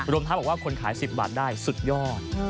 รวมทั้งบอกว่าคนขาย๑๐บาทได้สุดยอด